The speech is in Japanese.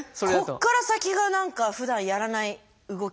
ここから先が何かふだんやらない動きというか。